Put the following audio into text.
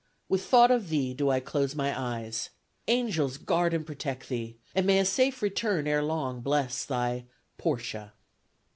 With thought of thee do I close my eyes. Angels guard and protect thee; and may a safe return ere long bless thy "PORTIA."